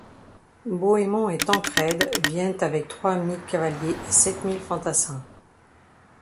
Bohémond et Tancrède viennent avec trois mille cavaliers et sept mille fantassins.